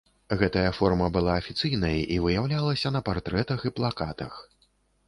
Гэтая форма была афіцыйнай і выяўлялася на партрэтах і плакатах.